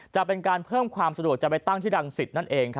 จะเป็นการเพิ่มความสะดวกจะไปตั้งที่รังสิตนั่นเอง